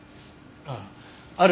ああ。